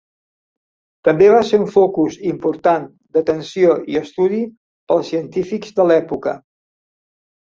També va ser un focus important d'atenció i estudi pels científics de l'època.